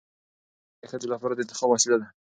خلع د ښځې لپاره د انتخاب وسیله ده.